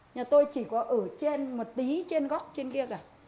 nhà tôi chỉ có ở trên một tí trên góc trên kia cả